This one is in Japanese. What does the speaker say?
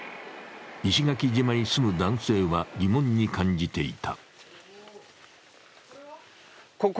石垣島に住む男性は疑問に感じていた。